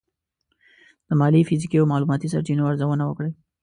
د مالي، فزیکي او معلوماتي سرچینو ارزونه وکړئ.